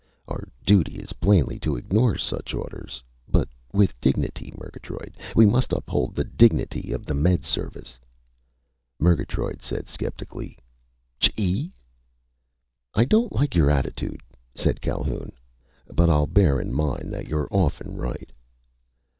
Our duty is plainly to ignore such orders. But with dignity, Murgatroyd! We must uphold the dignity of the Med Service!" Murgatroyd said skeptically: "Chee?" "I don't like your attitude," said Calhoun, "but I'll bear in mind that you're often right."